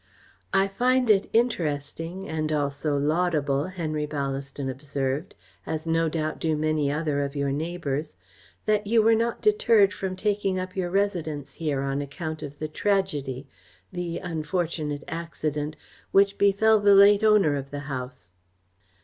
"I find it interesting and also laudable," Henry Ballaston observed "as no doubt do many other of your neighbours that you were not deterred from taking up your residence here on account of the tragedy the unfortunate accident which befell the late owner of the house."